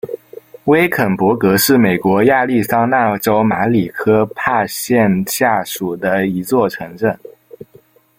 威肯勃格是美国亚利桑那州马里科帕县下属的一座城镇。